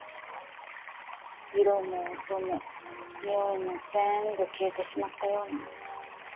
色も音もにおいも全部消えてしまったような。